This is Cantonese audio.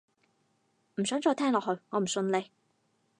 唔想再聽落去，我唔信你